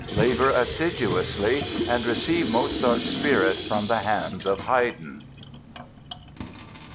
Labor assiduously and receive Mozart's spirit from the hands of Haydn."